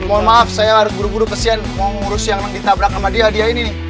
mohon maaf saya harus buru buru kesian mau ngurus yang ditabrak sama dia dia ini nih